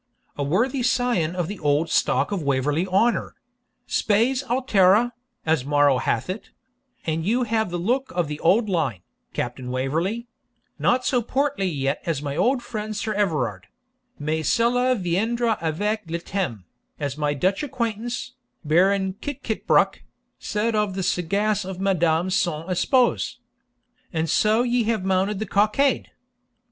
A worthy scion of the old stock of Waverley Honour spes altera, as Maro hath it and you have the look of the old line, Captain Waverley; not so portly yet as my old friend Sir Everard mais cela viendra avec le tems, as my Dutch acquaintance, Baron Kikkitbroeck, said of the sagesse of Madame son epouse. And so ye have mounted the cockade?